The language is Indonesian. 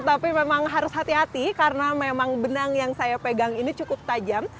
tapi memang harus hati hati karena memang benang yang saya pegang ini cukup tajam